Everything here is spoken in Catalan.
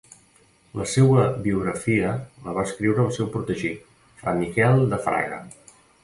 La seua biografia la va escriure el seu protegit, fra Miquel de Fraga.